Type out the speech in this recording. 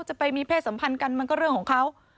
ไปมีเพศสัมพันธ์กันมันก็เรื่องของเขา